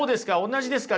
同じですか？